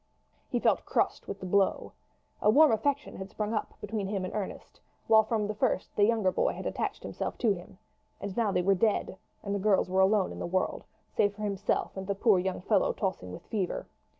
He felt crushed with the blow. A warm affection had sprung up between him and Ernest, while from the first the younger boy had attached himself to him; and now they were dead, and the girls were alone in the world, save for himself and the poor young fellow tossing with fever!